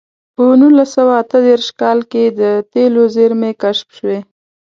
په نولس سوه اته دېرش کال کې د تېلو زېرمې کشف شوې.